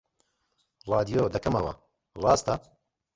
ڕادیۆ دەکەمەوە، ڕاستە